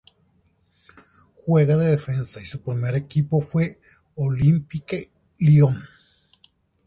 Juega de Defensa y su primer equipo fue Olympique Lyon.